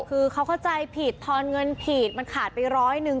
คือเขาเข้าใจผิดทอนเงินผิดมันขาดไปร้อยหนึ่ง